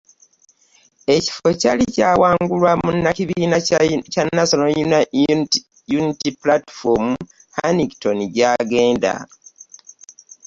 Ekifo kyali kyawangulwa munnakibiina kya National Unity Platform, Hannington Gyagenda